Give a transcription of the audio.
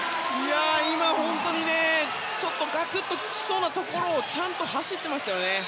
今、本当にガクッと来そうなところをちゃんと走っていましたね。